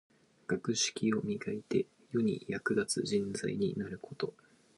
今日はゼミの筆記試験がありました。